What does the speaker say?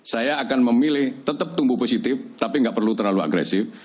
saya akan memilih tetap tumbuh positif tapi nggak perlu terlalu agresif